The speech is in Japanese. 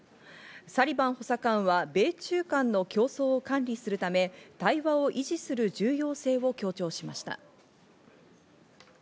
サリバン補佐官は米中間の競争を管理するため、対話の維持する重要性を強調しました。